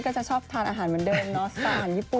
หรือย่างถ่านอาหารถ่านญี่ปุ่น